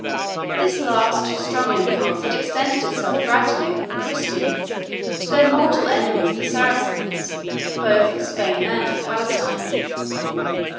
This last strong impulse had extended itself gradually from the Christians to their mortal enemies the Saracens, both of Spain and of Palestine.